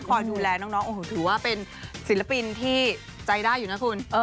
คอยดูแลน้องโอ้โหถือว่าเป็นศิลปินที่ใจได้อยู่นะคุณ